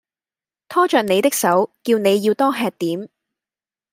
拖著你的手，叫你要多吃點